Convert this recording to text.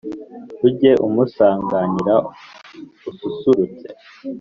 Ujye umusanganira ususurutse